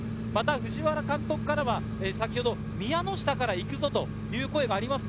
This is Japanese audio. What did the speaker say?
藤原監督からは先ほど宮ノ下から行くぞ！という声がありました。